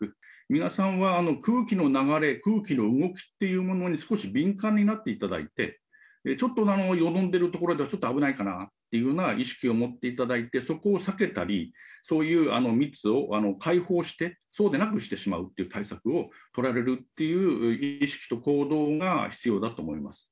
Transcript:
皆さんは空気の流れ、空気の動きっていうものに少し敏感になっていただいて、ちょっとよどんでる所ではちょっと危ないかなっていうような意識を持っていただいて、そこを避けたり、そういう密を開放して、そうでなくしてしまうっていう対策を取られるっていう、意識と行動が必要だと思います。